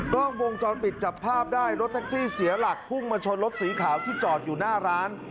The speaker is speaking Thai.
กล้องวงจรปิดจับภาพได้รถแท็กซี่เสียหลักพุ่งมาชนรถสีขาวที่จอดอยู่หน้าร้าน